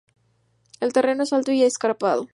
El terreno es alto y escarpado.